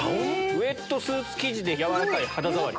ウエットスーツ生地で柔らかい肌触り。